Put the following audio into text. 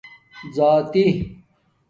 زاتی